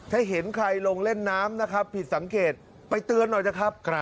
ถ้าเห็นใครลงเล่นน้ำนะครับผิดสังเกตไปเตือนหน่อยนะครับ